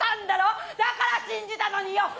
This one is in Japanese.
だから信じたのによ！